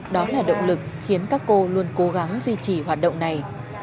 đó là động lực khiến các cô luôn cố gắng duy trì hoạt động này